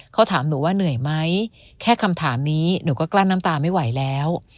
เขาถามหนูว่าเหนื่อยไหมแค่คำถามนี้หนูก็กลั้นน้ำตาไม่ไหวแล้ว